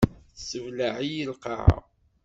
Tessebleɛ-iyi lqaɛa.